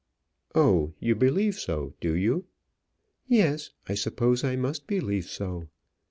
"Oh, you believe so, do you?" "Yes; I suppose I must believe so.